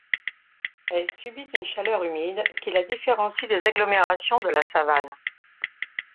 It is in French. Elle subit une chaleur humide qui la différencie des agglomérations de la savane.